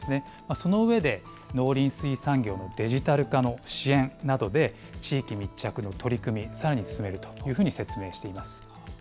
その上で、農林水産業のデジタル化の支援などで、地域密着の取り組み、さらに進めるというふうに説明しています。